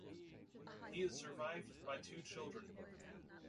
He is survived by two children.